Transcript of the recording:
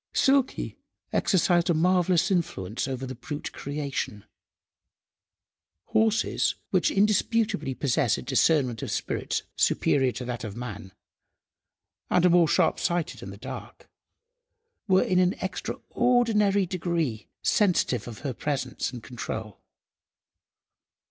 Silky exercised a marvellous influence over the brute creation. Horses, which indisputably possess a discernment of spirits superior to that of man, and are more sharp–sighted in the dark, were in an extraordinary degree sensitive of her presence and control.